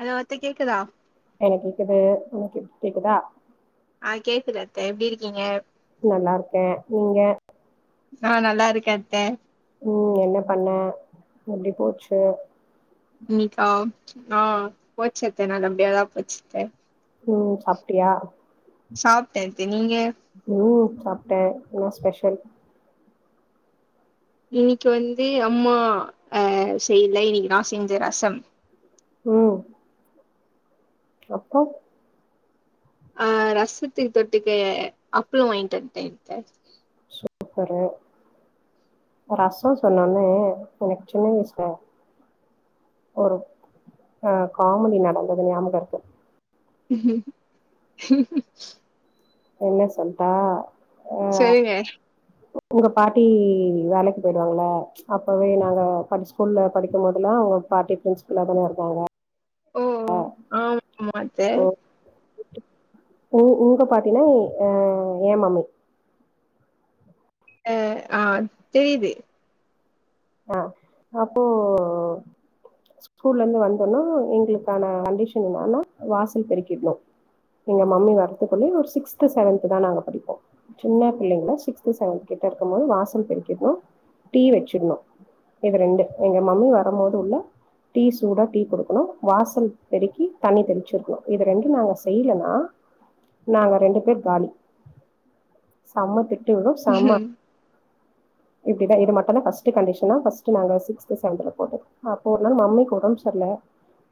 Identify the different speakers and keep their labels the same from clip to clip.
Speaker 1: Hello அத்த கேக்குதா
Speaker 2: எனக்கு கேக்குது உனக்கு கேக்குதா
Speaker 1: ஆ கேக்குது அத்த எப்படி இருக்கீங்க
Speaker 2: நல்லா இருக்கேன் நீங்க
Speaker 1: நா நல்லா இருக்கேன் அத்த
Speaker 2: ம் என்ன பண்ண எப்படி போச்சு
Speaker 1: இன்ணைக்கா ஆ போச்சு அத்த நல்ல படியாதான் போச்சு அத்த
Speaker 2: ம் சாப்ட்டியா
Speaker 1: சாப்ட்டே அத்த நீங்க
Speaker 2: ம் சாப்ட்டே என்னா ஸ்பெஷல்
Speaker 1: இன்னைக்கு வந்து அம்மா அ செய்ல இன்னைக்கு நான் செஞ்ச ரசம்
Speaker 2: ம் அப்போ
Speaker 1: ஆ ரசத்து தொட்டுிக்க அப்பளும் வாங்கிட்டுந்துட்டேன் அத்த
Speaker 2: சூப்பரு ரசம் சொன்னோனே எனக்கு சின்ன வயசு ஒரு அ காமெடி நடந்தது ஞாபக இருக்கு
Speaker 1: உ
Speaker 2: என்ன சொல்ட்டா அ
Speaker 1: சரிங்க
Speaker 2: உங்க பாட்டி வேலைக்கு போயிடுவாங்கள அப்பவே நாங்க ஸ்கூல்ல படிக்கும்பதெல்லாம் அவங்க பாட்டி பிரின்ஸ்பில்லா தான இருக்காங்க
Speaker 1: ஓ ஓ ஆமாமா அத்த
Speaker 2: ஓ உ உங்க பாத்தீனா அ ஏ மமி
Speaker 1: அ ஆ தெரியுது
Speaker 2: அ அப்போ ஸ்கூல்ல இருந்து வந்தோனும் எங்களுக்கான கண்டிஷன் என்னன்னா வாசல் பெருக்கிடணும் எங்க மம்மி வரத்துக்குள்ள ஒரு சிக்ஸ்த் செவன்த் தான் நாங்க படிப்போம் சின்ன பிள்ளைங்களை சிக்ஸ்த் செவன்த் இருக்கும் போது வாசல் பெரூக்கிடணு டீ வச்சிடணு இது ரெண்டு எங்க மம்மி வரும்போது உள்ள டீ சூடா டீ குடுக்கணும் வாசல் பெருக்கி தண்ணி தெளிச்சிருக்கணும் இது ரெண்டும் நாங்க செய்யலன்னா நாங்க ரெண்டு பேர் காலி செம்ம தி திட்டு விழும் செம இப்படிதான் இது மட்டு தா ஃபஸ்ட் ஃபர்ஸ்ட் டு கண்டிஷன ஃபர்ஸ்ட் நாங்க சிக்சுத் செவன்த் ல போட்டது அப்ப ஒரு நாள் மம்மிகி உடம்பு சரியில்ல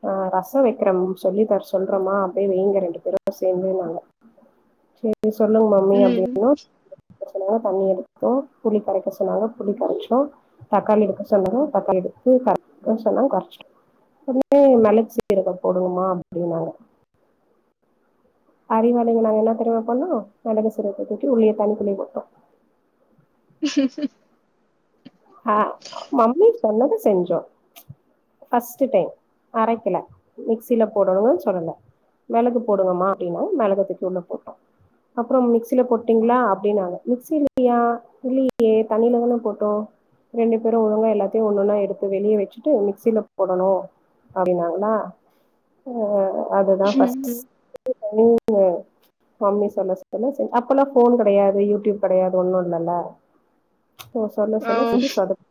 Speaker 2: ஆ ரசம் வைக்கிறோம்னு சொல்லி தர் சொல்றோமா அப்படியே வைங்க ரெண்டு பேரும் சேர்ந்து நாங்க சரி சொல்லுங்க மமி
Speaker 1: ம் ம்
Speaker 2: அப்டின்னு சொன்னாங்க தண்ணி எடுத்தோம் புளி கரைக்க சொன்னாங்க புளி கரைச்சோம் தக்காளி எடுக்க சொன்னதும் தக்காளி எடுத்து கரைச்சுடு சொன்னாங்க கறைச்சிடோம் மே மிளகு சீரகம் போடுங்கமா அப்டின்னாங்க அறிவாளிங்க நாங்க என்னா தெரிமா பண்ணோம் மிளகு சீரகத்தை தூக்கி உள்ளே தண்ணிகுள்ளயே போட்டோ சொன்னது செஞ்சோ ஃபஸ்டு டைம் அரைக்கல மிக்சில போடணும்னு சொல்லல மிளகு போடுங்கமா அப்டின்னாங்க மிளக தூக்கி உள்ள போட்டோம் அப்புறம் மிக்சில போட்டீங்களா அப்டின்னாங்க மிக்சிலயா இல்லையே தண்ணியில தான போட்டோ ரெண்டு பேரும் ஒழுங்கா எல்லாத்தையும் ஒண்ணுன்னா எடுத்து வெளியே வெச்சுட்டு மிக்சில போடணும் அப்டின்னாங்களா ஆ அதுதான் [unintelligible] நீங்க மம்மி சொல்ல சொல்ல அப்பல்லாம் போன் கடையாது யூடியூப் கடையாது ஒண்ணு இல்லல்ல ஓ சொல்ல
Speaker 1: ஆ
Speaker 2: சொல்ல செஞ்சி சொதப்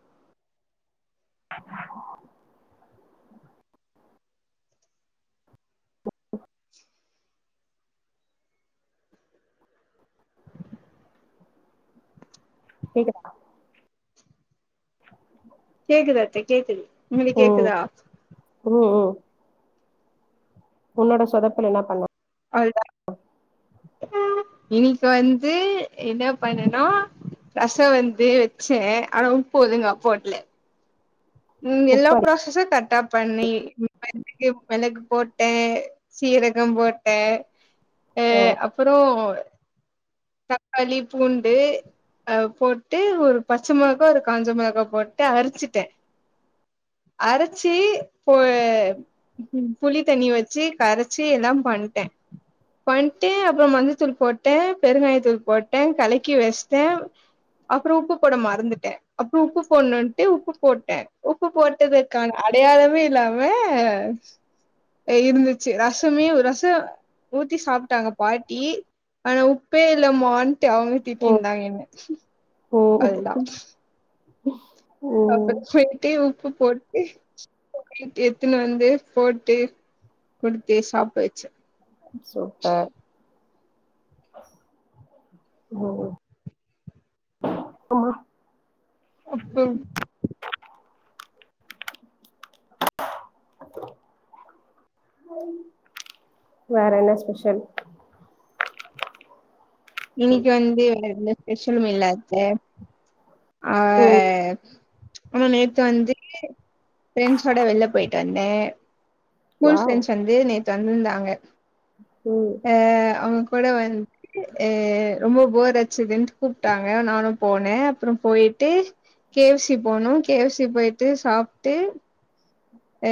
Speaker 2: கேக்குதா
Speaker 1: கேக்குது அத்தே கேக்குது உங்களுக்கு
Speaker 2: ஒ
Speaker 1: கேக்குதா
Speaker 2: உ ஒ உன்னோட சொதப்பல் என்னா பண்ண
Speaker 1: அவுள்தா இன்னைக்கு வந்து என்ன பண்ணனா ரசம் வந்து வச்சே ஆனா உப்பு ஒழுங்கா போட்ல ம் எல்லா
Speaker 2: உப்பு அடி
Speaker 1: பிராசசூம் கரெ க்ட்டா பண்ணி மிளகு மிளகு போட்டே சீரகம் போட்டே டே
Speaker 2: ஆ
Speaker 1: அப்புறோ தக்காளி பூண்டு அ போட்டு ஒரு பச்ச மிளகா ஒரு காஞ்ச மிளகா போட்டு அரிச்சுட்டேன் அரைச்சு போ புளி தண்ணி வச்சு கரைச்சி எல்லா பண்டே பண்ட்டு அப்புறொ மஞ்சத்தூள் போட்டே பெருங்காயத்தூள் போட்டே கலக்கி வச்சிட்டே அப்புற உப்பு போட மறந்துட்டே அப்புற உப்பு போட்னுன்ட்டு உப்பு போட்டே உப்பு போட்டதுக்கான அடையாளமே இல்லாம இருந்துச்சு ரசமே ரசம் ஊத்தி சாப்டாங்க பாட்டி ஆனா உப் பபே இல்லமான்ட்டு அவங்க திட்டின்தாங்க என்ன
Speaker 2: ஓ
Speaker 1: அப்ப செரிட்டே உப்பு போட் எத்துன்னு வந்து போட்டு குடுத்தே சாப்ட வச்சே
Speaker 2: சூப்பர் ஓ அம்மா
Speaker 1: அப்பம்
Speaker 2: வேற என்ன ஸ்பெஷல்
Speaker 1: இன்னைக்கு வந்து வேர எதுமே ஸ்பெஷலும் இல்ல அத்த ஆ
Speaker 2: ம்
Speaker 1: அ ஆனா நேத்து வந்து ஃபிரெண்ட்ஸோட வெள்ல போயிட்டு வந்தே ஸ்கூல்
Speaker 2: வாவ்
Speaker 1: ஃப்ரெண்ட்ஸ் வந்து நேத்து வந்திருந்தாங்க
Speaker 2: ம்
Speaker 1: அ அவுங் கூட வந்து அ ரொம்ப போர் அச்சுதுன்ட்டு கூப்பிட்டாங்க நானும் போனே அப்புறம் போயிட்டு கே எஃப் சி போனோ கே எஃப் சி போயிட்டு சாப்ட்டு அ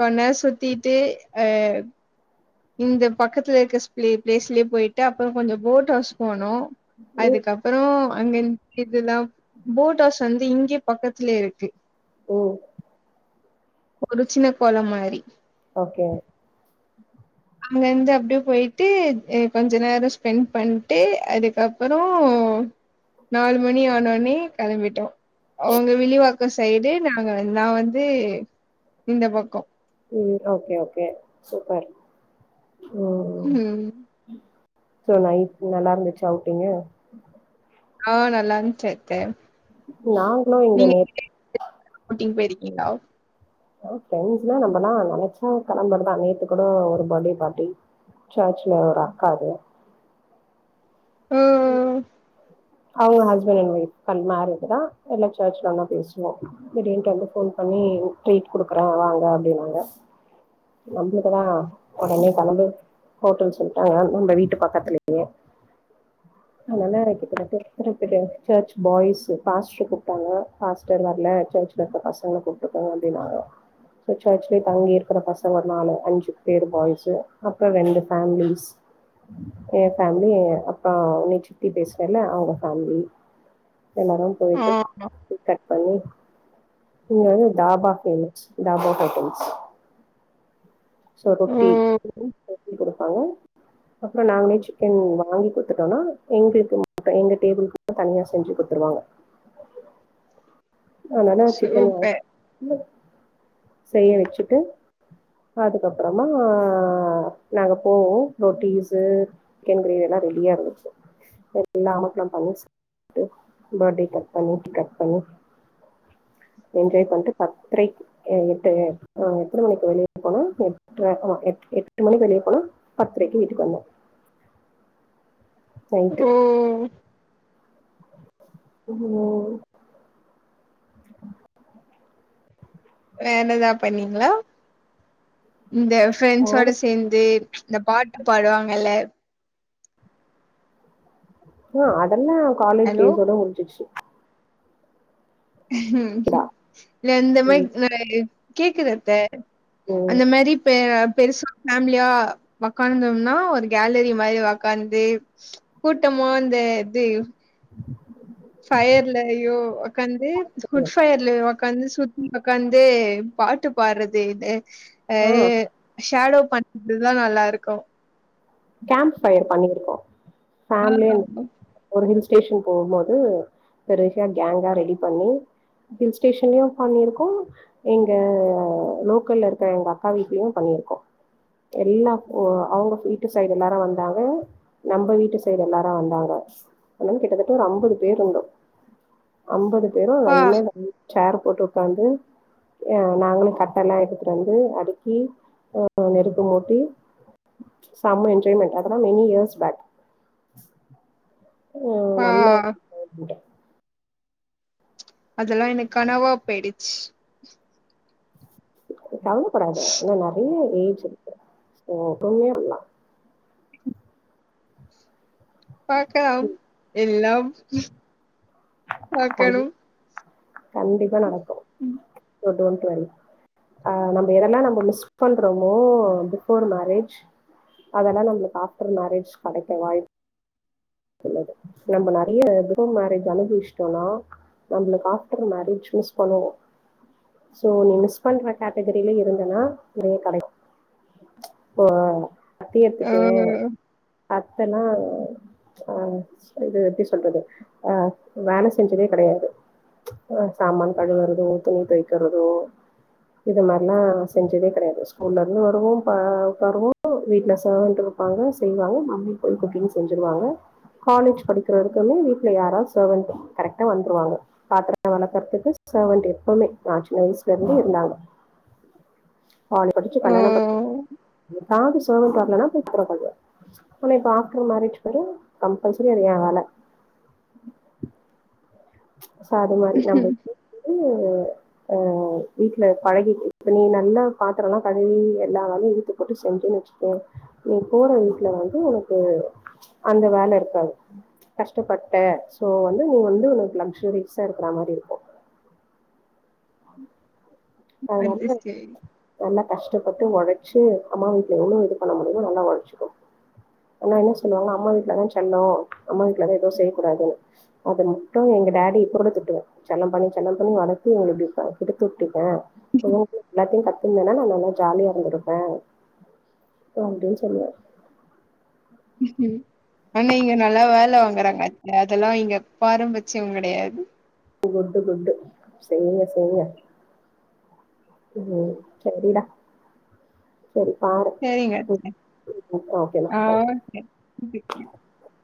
Speaker 1: கொன்னேரோ சுத்திட்டு அ இந்த பக்கத்துல இருக்க ஸ்பளே பிளாஸ்லேயே போயிட்டு அப்புறம் கொஞ்சம் போட் ஹவுஸ் போனோ
Speaker 2: ம்
Speaker 1: அதுக்கப்புறம் அங்க இதுல்லாம் போட் ஹவுஸ் வந்து இங்கே பக்கத்துலயே இருக்கு.
Speaker 2: ஓ
Speaker 1: ஒரு சின்ன கொள மாரி
Speaker 2: ஓகே
Speaker 1: இங்க இருந்து அப்டியே போயிட்டு எ கொஞ்ச நேரோ ஸ்பெண்ட் பண்ணிட்டு அதுக்கப்புறோ நாலு மணி ஆனோனே கிளம்பிட்டோ அவங்க வில்லிவாக்கம் சைடு நாங்க நா வந்து இந்த பக்கொ
Speaker 2: ம் ஓகே ஓகே சூப்பர்
Speaker 1: ம்
Speaker 2: சோ நைட் நல்லா இருந்துச்சு அவுட்டிங்க்
Speaker 1: ஆ நல்லா இருந்துச்சு அத்த.
Speaker 2: நாங்களு இங்க நே
Speaker 1: அவுட்டிங் போயிருக்கீங்ளா
Speaker 2: ப்ரண்ட்ஸ் எலாம் நம்மல்லாம் நினைச்சா கிளம்படுத நேத்து கூட ஒரு பர்த்டே பார்ட்டி [inaudible] சர்ச் லே ஒரு அக்கா அது.
Speaker 1: ம் ம்
Speaker 2: அவங்க ஹஸ்பண்ட் அண்ட் ஒயஃப் க மேரேஜ் தான் எல்லா சர்ல ஒா பேசுவோம் இப்படின்ட்டு வந்து போன் பண்ணி ட்ரீட் குடுக்குற வாங்க அப்படின்னாங்க. நம்பலக்கதா உடனே கலம்பு. ஹோட்டல் சொல்ட்டாங்க நம்ம வீட்டு பக்கத்துலயே [inaudible] ரிய சர்ச் பாய்ஸ் பாஸ்டர் கூப்ட்டாங்க பாஸ்டர் வரல சர்ச்ல இருக்க பசங்கள கூப்ட்டாங்க. [unintelligible] [inaudible] சர்ச் லே தங்கி இருக்கிற பசங்க ஒரு நாலு அஞ்சு பேர் பாய்ஸ் அப்புறம் ரெண்டு ஃபேமிலிஸ். எ ஃபேமிலி அப்புறம் உன்னை சித்தி பேசுவன்ல அவங்க. ஃபேமிலி எல்லாரும்
Speaker 1: ஆ
Speaker 2: போயிட்டு கட் பண்ணி. இங்க வந்து தாபா ஃபேமஸ் தாபா ஹோட்டல்ஸ்.
Speaker 1: ஓ
Speaker 2: சொதபி கொடுப்பாங்க. அப்புறம் நாங்களே சிக்கன் வாங்கி கொடுத்துட்டோனா எங்களுக்கு மட்டும் எங்க டேபிளுக்கு தனியா செஞ்சு கொடுத்துருவாங்க. ஆனானா சிக்கன்
Speaker 1: சூப்பர்
Speaker 2: செய்ய வச்சுட்டு. அதுக்கப்புறமா நாங்க போவோ ரொட்டீஸ சிக்கன் கிரேவிய எல்லா ரெடியா. [unintelligible] எல்லா அமக்கல்லா பண்ணிட்டு பர்த்டே கட் பண்ணி கட் பண்ணி [inaudible] என்ஜாய் பண்ட்டு பத்திர எட்டு எத்தனை மணிக்கு வெளிய. போன எட்டு மணி வெளிய போனா பத்திரக்கு வீட்டுக்கு வந்தோம்.
Speaker 1: ஓ ஓ
Speaker 2: ம்
Speaker 1: வேற ஏதாவது பண்ணீங்களா இந்த ஃபிரெண்ட்ஸ் ஓட
Speaker 2: வேற
Speaker 1: சேர்ந்து. இந்த பாட்டு பாடுவாங்கல்ல.
Speaker 2: ஆ அதெல்லா காலேஜ்
Speaker 1: ஹலோ
Speaker 2: டேஸோட முடிஞ்சிச்சு.
Speaker 1: இஅந்த
Speaker 2: ம்
Speaker 1: மாதிரி ந கேக்குது அத்த
Speaker 2: ம்.
Speaker 1: அந்த மாரிப்ப. பெருசு ஃபேமிலியா உ்கார்ந்தோம்னா ஒரு கேலரி மாதிரி உ்கார்ந்து கூட்டம். ஆமா அந்த இது. உக்காந்து குட்ஃயர்ல உக்காந்து சுற்றி உக்காந்து பாட்டு பாடுறது இது அ
Speaker 2: ஆ
Speaker 1: ஷேடோ பண்றதுதான் நல்லா இருக்கும்.
Speaker 2: கேம்ப் ஃபயர் பண்ணிருக்கோ
Speaker 1: ஆ
Speaker 2: ஃபேமிலி ஒரு ஹில்ஸ். ஸ்டேஷன் போம் போது பெருசா கேங்கா ரெடி பண்ணி. ஹில் ஸ்டேஷன்லயும் பண்ணிருக்கோ இங்க லோக்கல்ல இருக்க எங்க அக்கா வீட்லயும் பண்ணி ருக்கோம் எல்லா ஒ அவங்க வீட்டு சைடு எல்லாரு வந்தாங்க நம்ப வீட்டு சைடு எல்லாரு வந்தாங்க அதனால கிட்டத்தட்ட ஒரு அம்பது பேரு இருந்தோ அம்பது பேரும்
Speaker 1: அப்பா
Speaker 2: [unintelligible] சேர் போட்டு உக்காந்து ஆ நாங்களும் கட்டலா எடுத்துட்டு வந்து அடுக்கி ஆ நெருப்பு மூட்டி செம்ம என்ஜாய்மெண்ட் அதலா மெனி இயர்ஸ் பேக் ம்
Speaker 1: பா
Speaker 2: நல்ல ஒரு என்ஜாய்மெண்ட்
Speaker 1: அதெல்லா எனக்கனவா போயிடுச்சு
Speaker 2: கவலப்படாத இனும் நெறைய ஏஜ் இருக்கு சோ [inaudible]
Speaker 1: பாக்கலாம் எல்லாம்
Speaker 2: கண்
Speaker 1: பாக்கணும்
Speaker 2: கண்டிப்பா நடக்கு
Speaker 1: ம்
Speaker 2: யூ டோண்ட் ஒரி ஆ நம்ப எதெல்லா நம்ம மிஸ் பண்றோமோ பிஃபோர் மேரேஜ் அதெல்லா நம்பளுக்கு ஆஃப்டர் மேரேஜ் கெடைக்க வாய்ப் புள்ளது நம்ப நெறைய பிஃபோர் மேரேஜ் அனுபவிச்சிட்டோனா நம்பளுக்கு ஆஃப்டர் மேரேஜ் மிஸ் பண்ணுவோ சோ நீ மிஸ் பண்ற கேட்டகிரில இருந்தனா நிறைய கெடைக்கு ம்ச் ஆ அத்தைய
Speaker 1: ஓ
Speaker 2: எடுத்துக்கோயே அத்தனா ஆ இது எப்படி சொல்றது ஆ வேல செஞ்சதே கெடையாது ஆ சாமான் கழுவரது துணி தைக்கறதோ இது மாதிரிலா செஞ்சதே கெடையாது ஸ்கூல்ல இருந்து வருவோம் பா உக்காருவோம் வீட்டு்ல சான்ரு இருப்பாங்க செய்வாங்க மம்மி கொழுக்கட்டையும் செஞ்சுருவாங்க காலேஜ் படிக்கிறதுக்குமே வீட்டுல யாராது சர்வன் கரெக்டா வந்துருவாங்க பாத்திர வெளக்கறதுக்கு கு சர்வண்ட் எப்பவுமே நா சின்ன வயசலிருந்துே இருந்தாங்க காலை படிச்சு
Speaker 1: ஓ
Speaker 2: கல்யாணம் பண்ண ஏதாவது செர்வண்ட் வரலனா கூப்டாராத இப்ப ஆஃப்டர் மேரேஜ் பாரு கம்பல்சரி அது யே வேல சரி மாரி நம்மள கூப்ட்டுட்டு ஆ வீட்ல பழகி இப்ப நீ நல்லா பாத்திரலா கழுவி எல்லா வேலயு இழுத்து போட்டு செஞ் ச்சேன் வசிக்கோ நீ போற வீட்ல வந்து உனக்கு அந்த வேல இருக்காது கஷ்டப்பட்ட சோ வந்து நீ வந்து உனக் லக்ஷ்ரீக்ஸா இருக்கற மாதிரி இருக்கும்
Speaker 1: அது
Speaker 2: அதுனால
Speaker 1: சரி.
Speaker 2: நல்ல கஷ்டப்பட்டு ஒழச்சி அம்மா வீட்ல எவ்ளோ இது பண்ண முடியுமோ நல்லா ஒழச்சுக்கோ ஆனா என்ன சொல்லுவாங்க அம்மா வீட்டுலதா செல்லம் அம்மா வீட்டு்லதா எதும் செய்யக்கூடாது அது மட்டும் எங்க டாடி இப்ப கூட திட்டுவே செல்லம் பண்ணி செல்லம் பண்ணி வளத்து எங்கள இப்டி கெடுத்துவிட்டீங்க அவங்க எல்லாத்தையு கத்துருந்தேன்னா நா நல்லா ஜாலியா இருந்திருப்பே அப்டினு சொல்லுவே
Speaker 1: எலா வாங்கறாங்க அதெல்லா இங்க பாரம்பச்சம் கிடையாது
Speaker 2: குட்டு குட்டு செய்ங்க செய்ங்க உம் சரிடா சரி பாரு
Speaker 1: சரிங்க அத்த.
Speaker 2: உம் ஓகே டா
Speaker 1: ஆ
Speaker 2: பாய்
Speaker 1: [unintelligible]